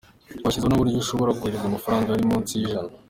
Twashyizeho n’uburyo ushobora kohereza amafaranga ari munsi y’ijana.